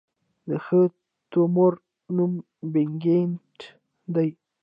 د ښه تومور نوم بېنیګنټ دی.